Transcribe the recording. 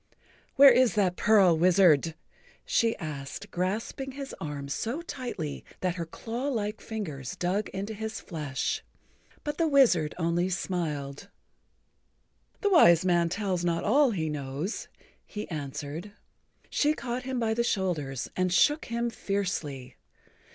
"Where is that pearl, wizard?" she[Pg 56] asked, grasping his arm so tightly that her claw like fingers dug into his flesh. But the wizard only smiled. "The wise man tells not all he knows," he answered. She caught him by the shoulders and shook him fiercely.